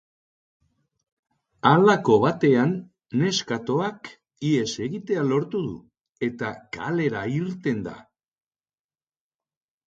Halako batean, neskatoak ihes egitea lortu du, eta kalera irten da.